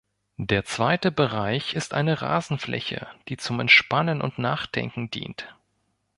Der zweite Bereich ist eine Rasenfläche, die zum Entspannen und Nachdenken dient.